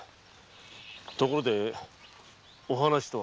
ところでお話とは？